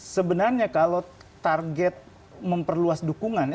sebenarnya kalau target memperluas dukungannya